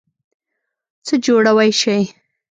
څه جوړوئ شی؟